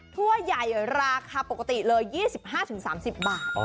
ถ้วยใหญ่ราคาปกติเลย๒๕๓๐บาท